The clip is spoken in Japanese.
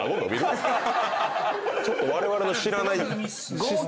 ちょっとわれわれの知らないシステム。